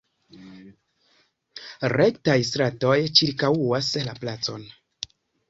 Rektaj stratoj ĉirkaŭas la placon.